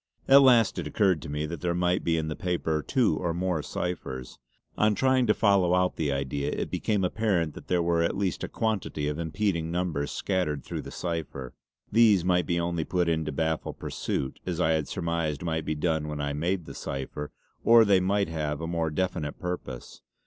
At last it occurred to me that there might be in the paper two or more ciphers. On trying to follow out the idea, it became apparent that there were at least a quantity of impeding numbers scattered through the cipher. These might be only put in to baffle pursuit, as I had surmised might be done when I made the cipher; or they might have a more definite purpose.